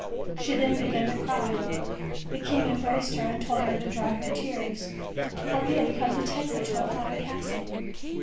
She then began to cry. The king embraced her, and told her to dry her tears, for he had come to take her to a fine castle.